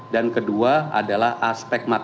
dan kedua adalah aspek manfaat